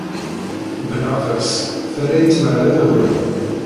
Bnaqes, terra-iyi tmara ad agiɣ.